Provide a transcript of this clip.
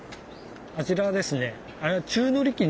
あちらはですね